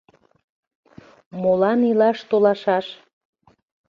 Молан илаш толашаш?